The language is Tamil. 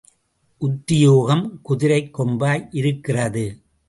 உத்தியோகம் குதிரைக் கொம்பாய் இருக்கிறது.